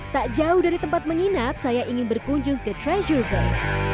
tak jauh dari tempat menginap saya ingin berkunjung ke threshold